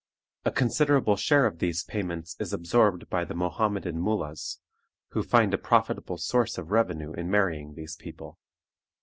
A considerable share of these payments is absorbed by the Mohammedan moolahs, who find a profitable source of revenue in marrying these people.